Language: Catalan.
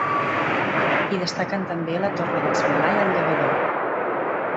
Hi destaquen també la Torre dels Milà i el llavador.